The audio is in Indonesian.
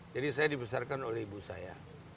jadi saya dibesarkan oleh ibu saya